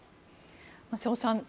瀬尾さん